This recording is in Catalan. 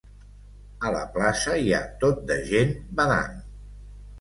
A la plaça hi ha tot de gent badant.